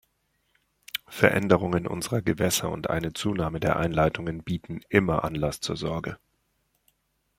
Veränderungen unserer Gewässer und eine Zunahme der Einleitungen bieten immer Anlass zur Sorge.